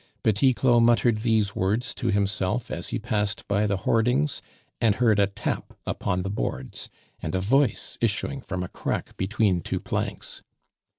Petit Claud muttered these words to himself as he passed by the hoardings, and heard a tap upon the boards, and a voice issuing from a crack between two planks.